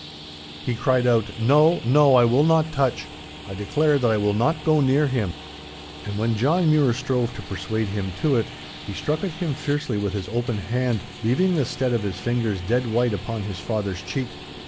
He cried out, 'No, no, I will not touch. I declare that I will not go near him!' And when John Mure strove to persuade him to it, he struck at him fiercely with his open hand, leaving the stead of his fingers dead white upon his father's cheek.